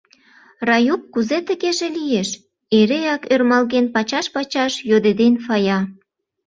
— Раюк, кузе тыгеже лиеш? — эреак ӧрмалген пачаш-пачаш йодеден Фая.